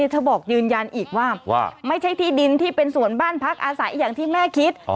เธอบอกยืนยันอีกว่าไม่ใช่ที่ดินที่เป็นส่วนบ้านพักอาศัยอย่างที่แม่คิด